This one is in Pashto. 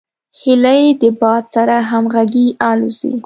هیلۍ د باد سره همغږي الوزي